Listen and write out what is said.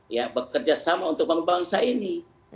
ya bekerja sama untuk membangun bangsa ini